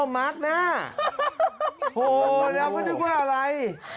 อโฮในฉันไม่ได้นึกว่าอะไร